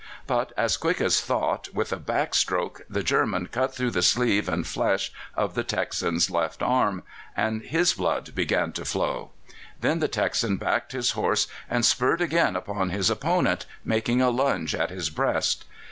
But as quick as thought, with a back stroke the German cut through the sleeve and flesh of the Texan's left arm, and his blood began to flow. Then the Texan backed his horse and spurred again upon his opponent, making a lunge at his breast.